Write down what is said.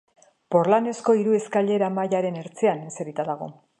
Porlanezko hiru eskailera-mailaren ertzean eserita dago.